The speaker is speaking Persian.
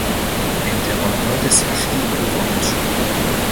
انتقادات سختی به او وارد شد.